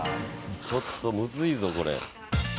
ちょっとむずいぞこれ。